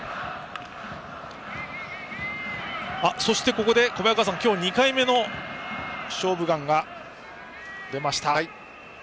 ここで小早川さん、今日２回目の「勝負眼」が出ました。